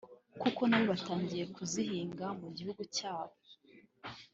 kuko nabo batangiye kuzihinga mu gihugu cyabo